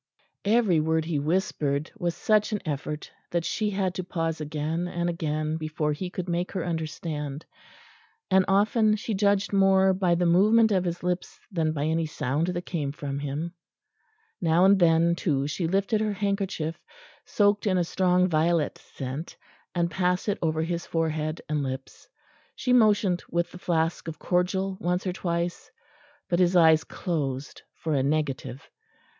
Every word he whispered was such an effort that she had to pause again and again before he could make her understand; and often she judged more by the movement of his lips than by any sound that came from him. Now and then too she lifted her handkerchief, soaked in a strong violet scent, and passed it over his forehead and lips. She motioned with the flask of cordial once or twice, but his eyes closed for a negative.